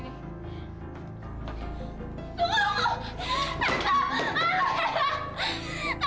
erah erah erah